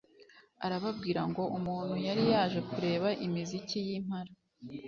Arababwira ngo umuntu yari yaje kureba imiziki y’Impala